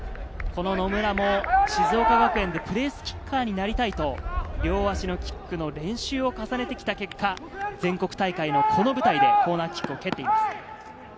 この野村も静岡学園でプレースキッカーになりたいと両足のキックの練習を重ねてきた結果、全国大会のこの舞台でコーナーキックを蹴っています。